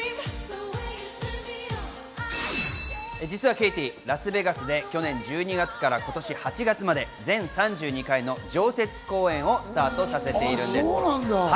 実はケイティ、ラスベガスで去年１２月から今年８月まで全３２回の常設公演をスタートさせているんです。